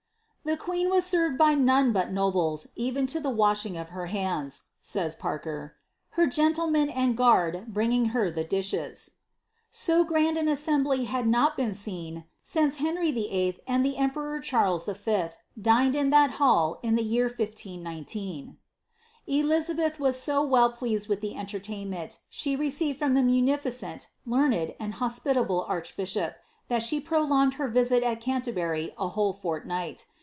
^ The queen was served by none but nobles, even to the washing of her hands," says Parker, ^^ her gentlemen and guard bringing her the dishes." So grand an assembly had not been seen since Henry VUI. tod the emperor Charles V. dined in that hall in the year 1519. Elizabeth was so well pleased witli the entertainment she received from the munificent, learned, and hospitable archbishop, that she pro* longed her stay at Canterbury a whole fortnight.